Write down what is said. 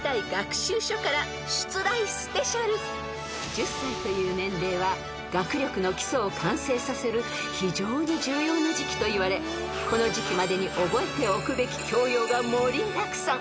［１０才という年齢は学力の基礎を完成させる非常に重要な時期といわれこの時期までに覚えておくべき教養が盛りだくさん］